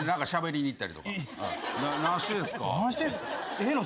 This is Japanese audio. ええの？